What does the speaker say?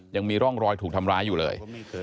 ยังมีร่องรอยถูกทำร้ายอยู่เลย